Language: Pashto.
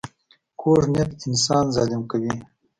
کوږ نیت انسان ظالم کوي